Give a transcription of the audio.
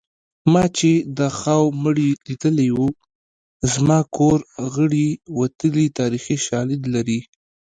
ما چې د خاوو مړي لیدلي زما کور غړي وتلي تاریخي شالید لري